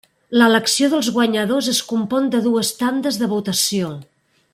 L'elecció dels guanyadors es compon de dues tandes de votació.